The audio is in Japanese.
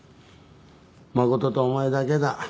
真琴とお前だけだ。